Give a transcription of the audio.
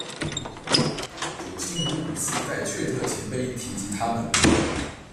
九姓乌古斯在阙特勤碑提及他们。